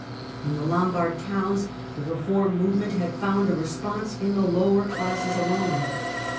In the Lombard towns the reform movement had found a response in the lower classes alone.